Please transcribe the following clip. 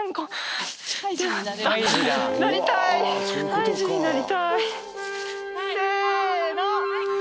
ハイジになりたい！せの！